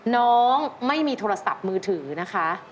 น้องไม่มีโทรศัพท์มือถือนะคะ